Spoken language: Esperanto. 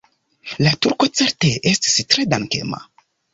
La turko certe estis tre dankema.